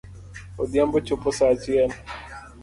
Odhiambo chopo saa achiel .